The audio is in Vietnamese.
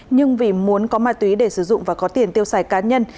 nhưng vì muốn có ma túy để sử dụng và có tiền tiêu xài cá nhân